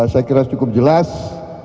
saya kira cukup jelas